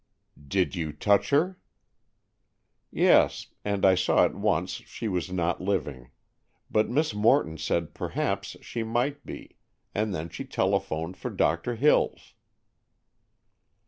"Did you touch her?" "Yes; and I saw at once she was not living, but Miss Morton said perhaps she might be, and then she telephoned for Doctor Hills."